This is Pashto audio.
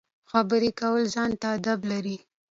خبرې کول ځان ته اداب لري.